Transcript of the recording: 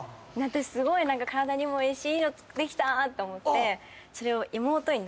私すごい体にもいいしいいのできたと思ってそれを。